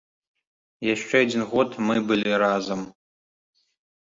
Яшчэ адзін год мы былі разам.